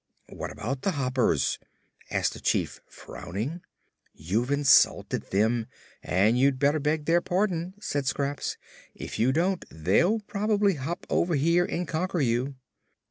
"What about the Hoppers?" asked the Chief, frowning. "You've insulted them, and you'd better beg their pardon," said Scraps. "If you don't, they'll probably hop over here and conquer you."